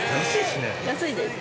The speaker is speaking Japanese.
安いですね。